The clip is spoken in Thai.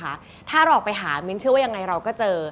ถ้าเราไปหามิ้นเชื่อว่ายังไงเราก็เจอ